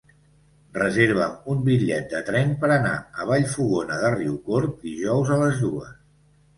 Reserva'm un bitllet de tren per anar a Vallfogona de Riucorb dijous a les dues.